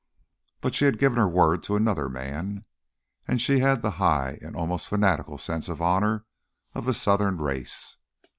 But she had given her word to another man, and she had the high and almost fanatical sense of honour of the Southern race.